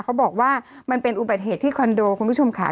เขาบอกว่ามันเป็นอุบัติเหตุที่คอนโดคุณผู้ชมค่ะ